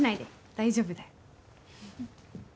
大丈夫だよ。